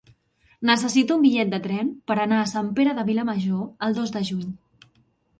Necessito un bitllet de tren per anar a Sant Pere de Vilamajor el dos de juny.